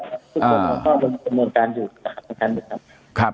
ก็ยังอยู่ในคำนวณการอยู่สำหรับตังคันอยู่ครับ